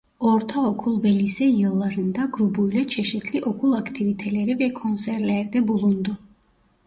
Ortaokul ve lise yıllarında grubuyla çeşitli okul aktiviteleri ve konserlerde bulundu.